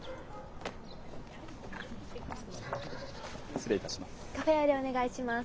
失礼いたします。